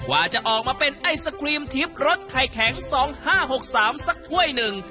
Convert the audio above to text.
ว่าจะออกมาเป็นไอศครีมทิพย์รสไข่แข็ง๒๕๖๓สักถ้วยหนึ่ง